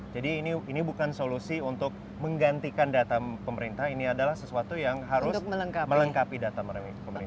jadi ini bukan solusi untuk menggantikan data pemerintah ini adalah sesuatu yang harus melengkapi data pemerintah